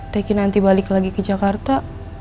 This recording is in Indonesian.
tki nanti balik lagi ke jakarta